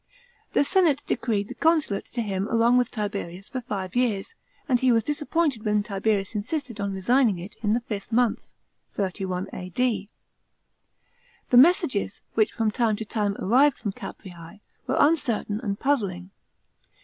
The senate decreed the consulate to him along with Tiberius for five years, and he was disappointed when Tiberius insisted on resigning it in the fifth month (31 A.D.). The messages, wh'ch from time to time arrived from Caprea3, were uncertain and puzzling.